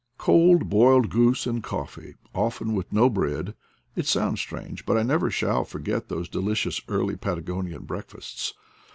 Cold boiled goose and coffee, often with no bread — it sounds strange, but never shall I forget those delicious early Patagonian breakfasts.